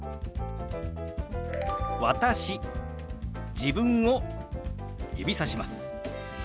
自分を指さします。